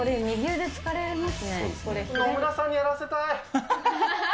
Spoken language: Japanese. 野村さんにやらせたい。